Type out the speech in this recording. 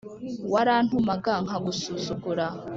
warantumaga nkagusuzugura